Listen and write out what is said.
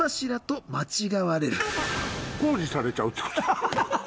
工事されちゃうってこと？